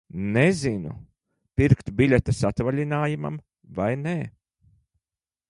Nezinu, pirkt biļetes atvaļinājumam vai nē.